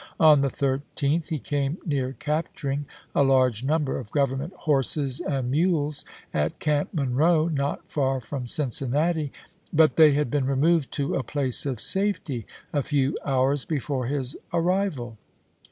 On the 13th, he came near capturing a large number of Gov ernment horses and mules at Camp Monroe, not far from Cincinnati, but they had been removed to a place of safety a few hours before his arrival.